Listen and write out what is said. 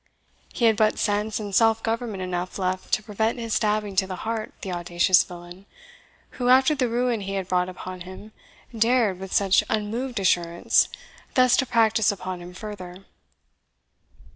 He had but sense and self government enough left to prevent his stabbing to the heart the audacious villain, who, after the ruin he had brought upon him, dared, with such unmoved assurance, thus to practise upon him further.